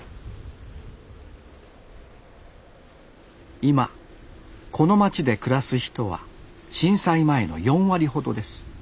今この町で暮らす人は震災前の４割ほどです